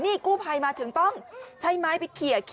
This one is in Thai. นี่กู้ภัยมาถึงต้องใช้ไม้ไปเขีย